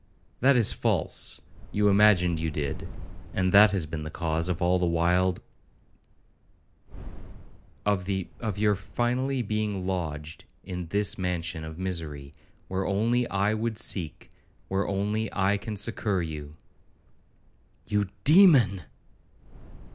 '—'That is false; you imagined you did, and that has been the cause of all the wild of the of your finally being lodged in this mansion of misery, where only I would seek, where only I can succour you.' 'You, demon!'